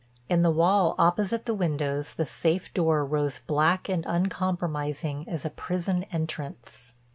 In the wall opposite the windows the safe door rose black and uncompromising as a prison entrance.